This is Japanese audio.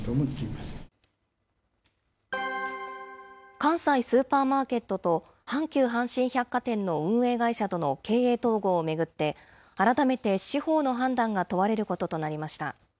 関西スーパーマーケットと阪急阪神百貨店の運営会社との経営統合を巡って、改めて司法の判断が問われることとなりました。